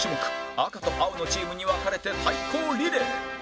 赤と青のチームに分かれて対抗リレー